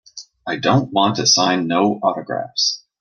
I don't wanta sign no autographs.